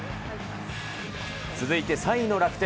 続いて３位の楽天。